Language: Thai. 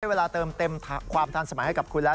เวลาเติมเต็มความทันสมัยให้กับคุณแล้ว